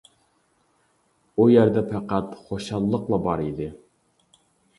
ئۇ يەردە پەقەت خۇشاللىقلا بار ئىدى.